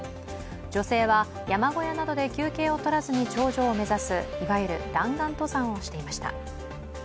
女性は山小屋などで休憩を取らずに頂上を目指す、いわゆる弾丸登山をしていました。